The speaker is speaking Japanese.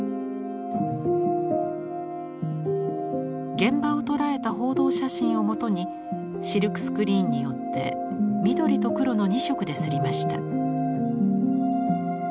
現場を捉えた報道写真をもとにシルクスクリーンによって緑と黒の２色で刷りました。